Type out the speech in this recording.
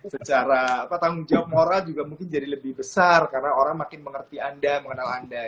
secara tanggung jawab moral juga mungkin jadi lebih besar karena orang makin mengerti anda mengenal anda